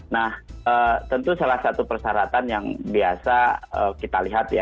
nah tentu salah satu persyaratan yang biasa kita lihat ya